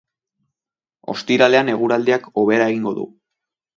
Osiralean eguraldiak hobera egingo du.